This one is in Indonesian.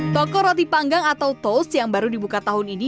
toko roti panggang atau toast yang baru dibuka tahun ini